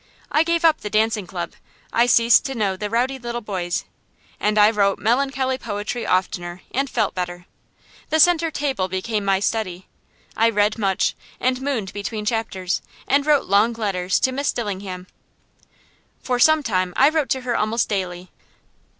I gave up the dancing club, I ceased to know the rowdy little boys, and I wrote melancholy poetry oftener, and felt better. The centre table became my study. I read much, and mooned between chapters, and wrote long letters to Miss Dillingham. For some time I wrote to her almost daily.